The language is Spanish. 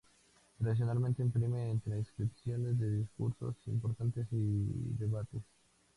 Tradicionalmente imprime transcripciones de discursos importantes y debates.